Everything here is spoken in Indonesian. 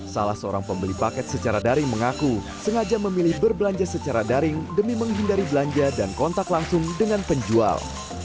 salah seorang pembeli paket secara daring mengaku sengaja memilih berbelanja secara daring demi menghindari belanja dan kontak langsung dengan penjual